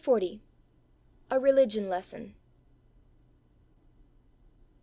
A RELIGION LESSON.